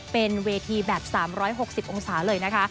เป็นเวทีแบบ๓๖๐องศาเลยนะคะ